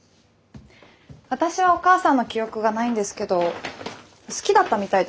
私はお母さんの記憶がないんですけど好きだったみたいです